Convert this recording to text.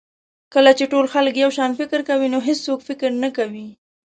کله چې ټول خلک یو شان فکر کوي نو هېڅوک فکر نه کوي.